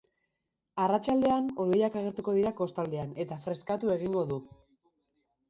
Arratsaldean hodeiak agertuko dira kostaldean eta freskatu egingo du.